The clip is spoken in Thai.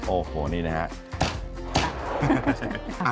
โอ้โหนี่นะฮะ